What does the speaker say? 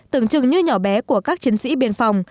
tưởng chừng như nhỏ bé của các chiến sĩ biên phòng